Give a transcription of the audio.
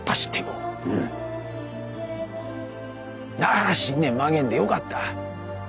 あ信念曲げんでよかった。